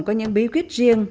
có những bí quyết riêng